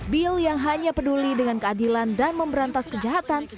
bill yang hanya peduli dengan keadilan dan memberantas kejahatan